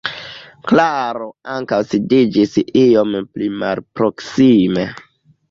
Klaro ankaŭ sidiĝis iom pli malproksime.